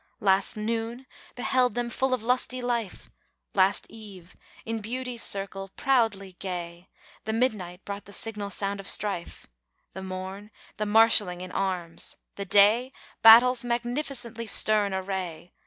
Last noon beheld them full of lusty life, Last eve in Beauty's circle proudly gay, The midnight brought the signal sound of strife, The morn the marshalling in arms, the day Battle's magnificently stern array!